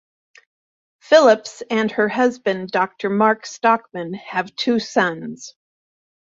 Phillips and her husband, Doctor Mark Stockman, have two sons.